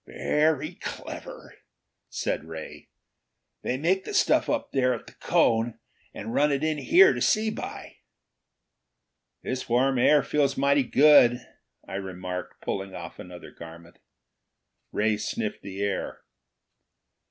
"Very clever!" said Ray. "They make the stuff up there at the cone and run it in here to see by." "This warm air feels mighty good," I remarked, pulling off another garment. Ray sniffed the air.